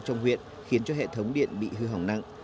trong huyện khiến cho hệ thống điện bị hư hỏng nặng